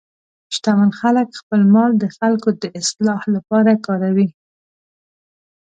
شتمن خلک خپل مال د خلکو د اصلاح لپاره کاروي.